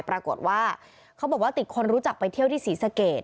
ปรากฏว่าเขาบอกว่าติดคนรู้จักไปเที่ยวที่ศรีสะเกด